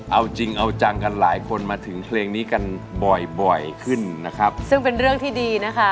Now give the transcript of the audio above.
เอาจริงเอาจังกันหลายคนมาถึงเพลงนี้กันบ่อยบ่อยขึ้นนะครับซึ่งเป็นเรื่องที่ดีนะคะ